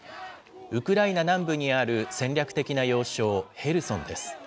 ウクライナ南部にある戦略的な要衝、ヘルソンです。